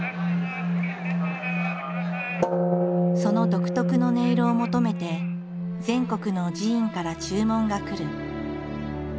その独特の音色を求めて全国の寺院から注文が来る。